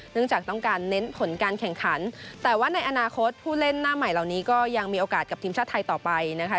จากต้องการเน้นผลการแข่งขันแต่ว่าในอนาคตผู้เล่นหน้าใหม่เหล่านี้ก็ยังมีโอกาสกับทีมชาติไทยต่อไปนะคะ